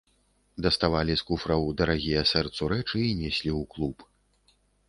Даставалі з куфраў дарагія сэрцу рэчы і неслі ў клуб.